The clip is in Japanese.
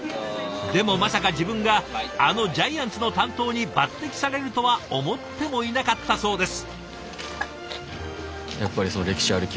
でもまさか自分があのジャイアンツの担当に抜てきされるとは思ってもいなかったそうです。